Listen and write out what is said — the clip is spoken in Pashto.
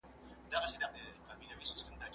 اشعار یې د بیدارۍ پیغام لري